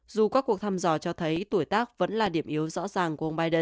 dù các cuộc thăm dò cho thấy tuổi tác vẫn là điểm nhất nhưng ông biden vẫn là ứng viên tốt nhất của đảng